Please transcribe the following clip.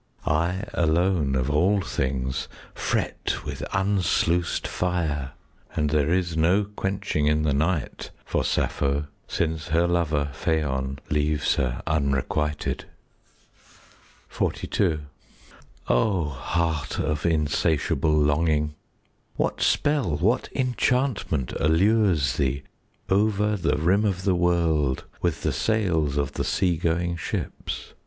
I alone of all things Fret with unsluiced fire. And there is no quenching 15 In the night for Sappho, Since her lover Phaon Leaves her unrequited. XLII O heart of insatiable longing, What spell, what enchantment allures thee Over the rim of the world With the sails of the sea going ships?